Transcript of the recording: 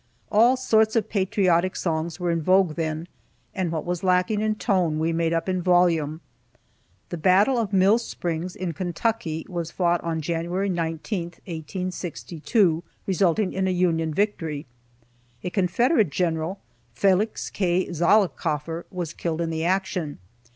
All sorts of patriotic songs were in vogue then, and what was lacking in tone we made up in volume. The battle of Mill Springs, in Kentucky, was fought on January 19, 1862, resulting in a Union victory. A Confederate general, Felix K. Zollicoffer, was killed in the action.